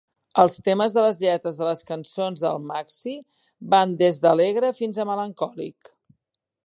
Els temes de les lletres de les cançons del Maxi van des d'alegre fins a melancòlic.